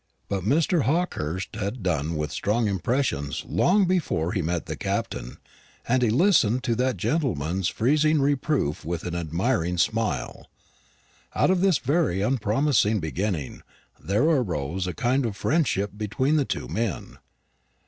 But Mr. Hawkehurst had done with strong impressions long before he met the Captain; and he listened to that gentleman's freezing reproof with an admiring smile. Out of this very unpromising beginning there arose a kind of friendship between the two men.